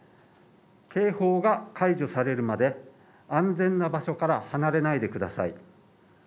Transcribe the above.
警報が解除されるまで、安全な場所から離れないでください。